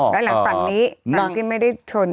แล้วหลังจากนี้ฝั่งที่ไม่ได้ชน